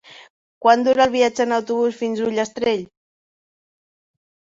Quant dura el viatge en autobús fins a Ullastrell?